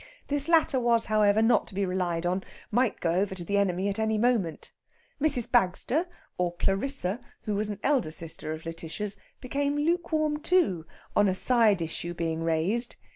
This latter was, however, not to be relied on might go over to the enemy any moment. Mrs. Bagster, or Clarissa, who was an elder sister of Lætitia's, became lukewarm, too, on a side issue being raised.